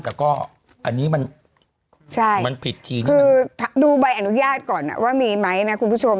แต่ก็อันนี้มันใช่มันผิดทีนึงคือดูใบอนุญาตก่อนว่ามีไหมนะคุณผู้ชม